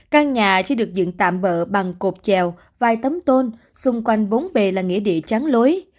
căn nhà chỉ được dựng tạm bỡ bằng cột trèo vài tấm tôn xung quanh bốn bề là nghĩa địa trắng lối